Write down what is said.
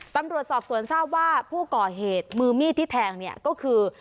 ตำรวจสอบสวนทราบว่าผู้ก่อเหตุมือมีดที่แทงเนี่ยก็คือ